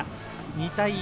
２対１。